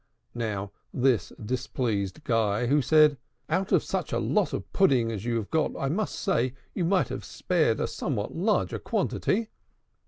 Now, this displeased Guy, who said, "Out of such a lot of pudding as you have got, I must say, you might have spared a somewhat larger quantity."